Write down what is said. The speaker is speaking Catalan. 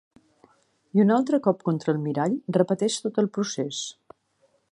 I un altre cop contra el mirall repeteix tot el procés.